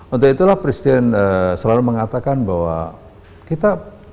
untuk itulah presiden selalu mengatakan bahwa kita